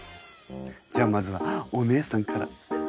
じゃあまずはお姉さんから。